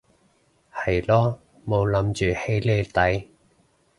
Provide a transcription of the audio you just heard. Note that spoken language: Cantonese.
係囉冇諗住起你底